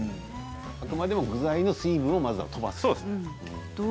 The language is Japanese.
あくまでも具材の水分をまずはとばすと。